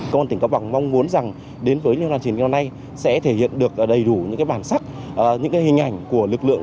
công an tỉnh cấp bằng mong muốn rằng đến với liên hoan truyền hình năm nay sẽ thể hiện được đầy đủ những cái bản sắc những cái hình ảnh của lực lượng